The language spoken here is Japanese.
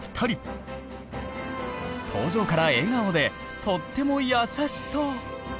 登場から笑顔でとってもやさしそう！